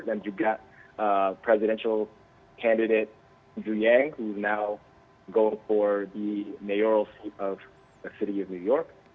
dan juga pemerintah pemerintah zhu yang yang sekarang mencari pembukaan mayoral di kota new york